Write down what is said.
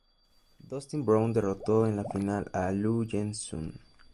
Dustin Brown derrotó en la final a Lu Yen-hsun.